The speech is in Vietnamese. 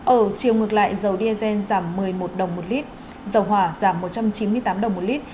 ở chiều ngược lại dầu diesel giảm một mươi một đồng một lít dầu hỏa giảm một trăm chín mươi tám đồng một lít